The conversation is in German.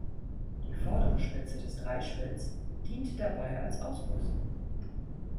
Die vordere Spitze des Dreispitz dient dabei als Ausguss.